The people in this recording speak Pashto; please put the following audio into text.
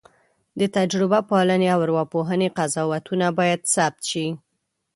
د تجربه پالنې او ارواپوهنې قضاوتونه باید ثبت شي.